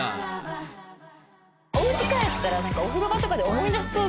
おうち帰ったらお風呂場とかで思い出しそう。